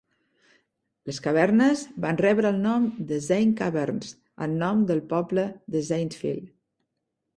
Les cavernes van rebre el nom de Zane Caverns, en nom del poble de Zanesfield.